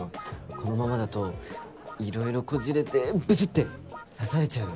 このままだといろいろこじれてブスって刺されちゃうよ。